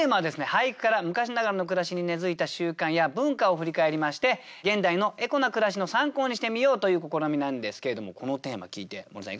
俳句から昔ながらの暮らしに根づいた習慣や文化を振り返りまして現代のエコな暮らしの参考にしてみようという試みなんですけれどもこのテーマ聞いて森さん